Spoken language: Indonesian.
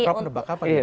rob nebak apa nih